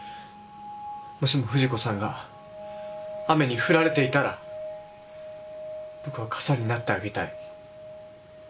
もしも藤子さんが雨に降られていたら僕は傘になってあげたい。